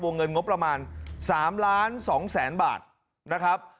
เงินงบประมาณ๓ล้าน๒แสนบาทนะครับ